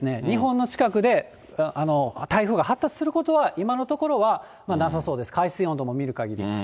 日本の近くで台風が発達することは、今のところはなさそうです、海水温度を見るかぎり。